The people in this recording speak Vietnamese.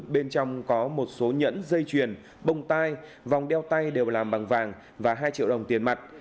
bên trong có một số nhẫn dây chuyền bông tai vòng đeo tay đều làm bằng vàng và hai triệu đồng tiền mặt